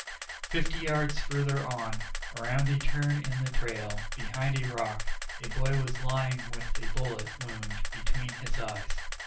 Fifty yards farther on, around a turn in the trail, behind a rock, a boy was lying with a bullet wound between his eyes.